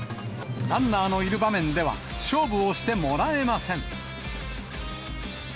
ランナーのいる場面では、勝負をしてもらえません。